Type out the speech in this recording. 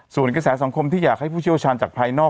ส่วนกระแสสังคมที่อยากให้ผู้เชี่ยวชาญจากภายนอก